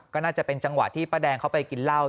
ก็น่าจะเป็นจังหวะที่ป้าแดงเขาไปกินเหล้า